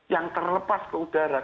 yang terlepas ke udara